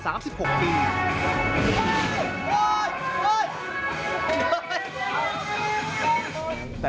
สวนสยามโลกแห่งความสุขสนุกไม่รู้ลืม